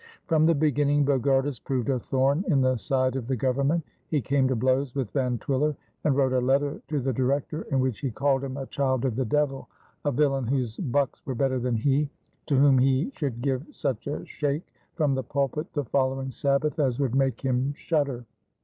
From the beginning Bogardus proved a thorn in the side of the Government. He came to blows with Van Twiller and wrote a letter to the Director in which he called him a child of the Devil, a villain whose bucks were better than he, to whom he should give such a shake from the pulpit the following Sabbath as would make him shudder.